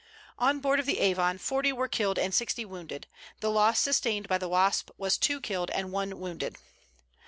On board of the Avon forty were killed and sixty wounded The loss sustained by the Wasp was two killed and one wounded.